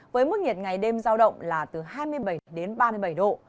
với mức nhiệt ngày đêm giao động là từ hai mươi bảy đến ba mươi bảy độ